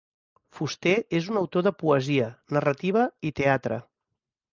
Fuster és un autor de poesia, narrativa i teatre.